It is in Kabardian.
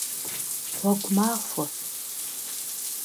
Гъуэгу махуэ!